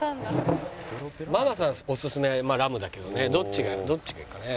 ママさんおすすめまあラムだけどねどっちがどっちがいいかね？